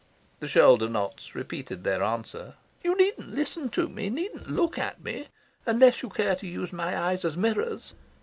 The shoulder knots repeated their answer. "You needn't listen to me; needn't look at me unless you care to use my eyes as mirrors.